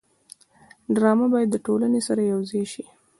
ډرامه باید له ټولنې سره یوځای شي